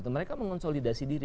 mereka mengonsolidasi diri